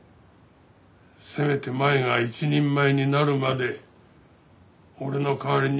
せめて舞が一人前になるまで俺の代わりに見守ってほしいと。